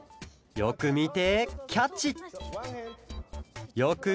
よくみてキャッチ！